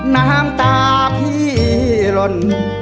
น้ำตาพี่หล่น